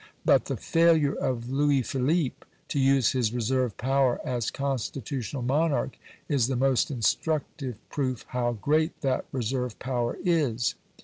But the failure of Louis Philippe to use his reserve power as constitutional monarch is the most instructive proof how great that reserve power is.